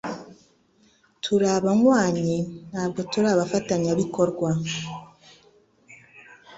Turi abanywanyi ntabwo turi abafatanyabikorwa